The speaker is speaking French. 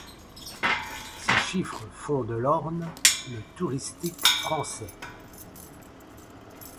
Ces chiffres font de l'Orne le touristique français.